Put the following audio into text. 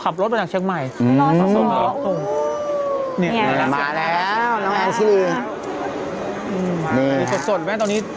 บริษณะขนาดน้องเดิมเมื่อกี้นิดเดียวนี้